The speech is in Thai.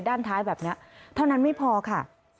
ด้านท้ายแบบนี้เท่านั้นไม่พอค่ะ